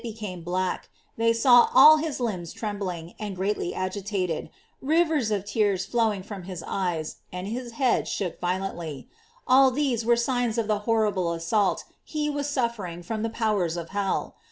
105 became black; they saw all his limbs trembling, and greatly agitated, rivers of tears flowed from his eyes, and his head shook violently; all these were signs of the horrible assault he was suffering from the powers of hell.